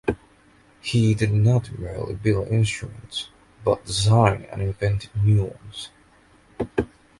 He did not merely build instruments, but designed and invented new ones.